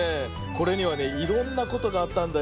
これにはねいろんなことがあったんだよ。